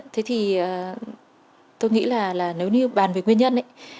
thế thì tôi nghĩ là nếu như bàn về nguyên nhân ấy